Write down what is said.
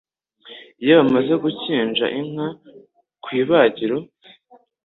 Iyo bamaze gukinja inka ku ibagiro